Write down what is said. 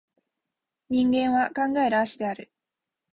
人間は考える葦である